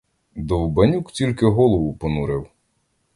Довбанюк тільки голову понурив.